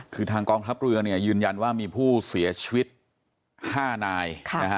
คือทางกองทัพเรือยืนยันว่ามีผู้เสียชีวิต๕นาย